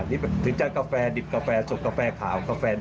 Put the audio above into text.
นี่ถึงจะกาแฟดิบกาแฟสดกาแฟขาวกาแฟ